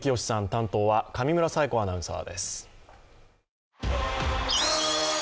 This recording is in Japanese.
担当は上村彩子アナウンサーです。